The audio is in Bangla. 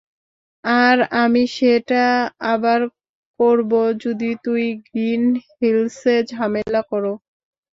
আর আমি সেটা আবার করব যদি তুমি গ্রিন হিলসে ঝামেলা করো।